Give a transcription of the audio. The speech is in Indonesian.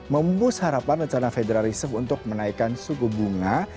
membus harapan rencana federal reserve untuk menaikkan suku bunga